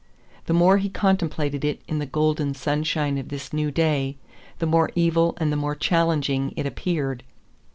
The more he contemplated it in the golden sunshine of this new day, the more evil and the more challenging it appeared.